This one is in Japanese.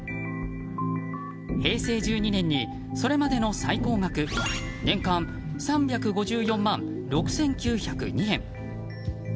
平成１２年に、それまでの最高額年間３５４万６９０２円。